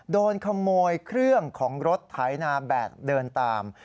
โดนขโมยเครื่องของรถไถนาแบบเดินตาม